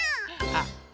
あっ。